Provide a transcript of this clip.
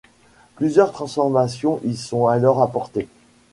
Plusieurs transformations y sont alors apportées.